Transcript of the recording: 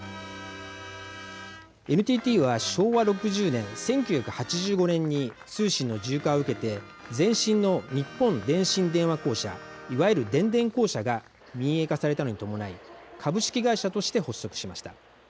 ＮＴＴは、昭和６０年１９８５年に通信の自由化を受けて前身の日本電信電話公社いわゆる電電公社が民営化されたのに伴い株式会社として発足しました。